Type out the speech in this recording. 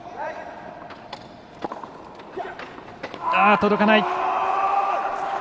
届かない。